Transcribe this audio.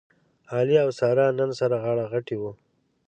علي او ساره نن سره غاړه غټۍ و.